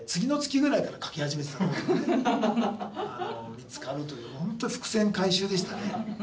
見つかるとホント伏線回収でしたね。